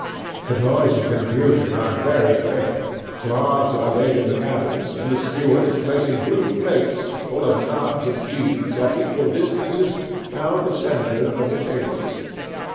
The noise and confusion are very great. Cloths are laid in the cabins, and the steward is placing blue plates—full of knobs of cheese at equal distances down the centre of the tables.